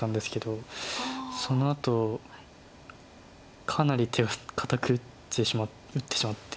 そのあとかなり手が堅く打ってしまって。